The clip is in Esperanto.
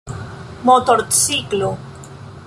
motorciklo